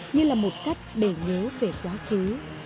như là một cách để nhớ về quá khứ